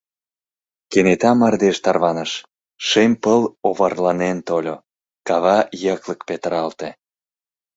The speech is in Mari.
Кенета мардеж тарваныш, шем пыл оварланен тольо, кава йыклык петыралте.